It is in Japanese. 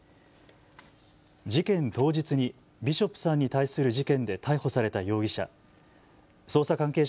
事件当日にビショップさんに対する事件で逮捕された容疑者。